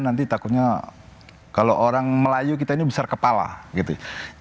nanti takutnya kalau orang melayu kita ini besar kepala gitu ya